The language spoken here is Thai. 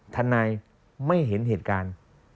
ทนายไม่เห็นเหตุการณ์